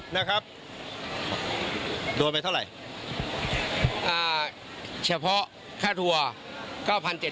นะครับโดนไปเท่าไหร่อ่าเฉพาะค่าทัวร์เก้าพันเจ็ด